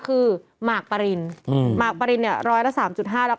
เออหรอ